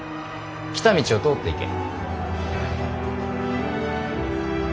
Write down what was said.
来た道を通っていけ。